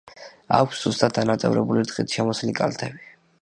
აქვს სუსტად დანაწევრებული ტყით შემოსილი კალთები.